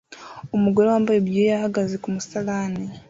Umugore wambaye ibyuya ahagaze ku musarani